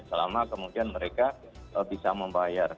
selama kemudian mereka bisa membayar